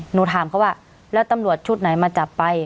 หนูถามเขาว่าแล้วตำรวจชุดไหนมาจับไป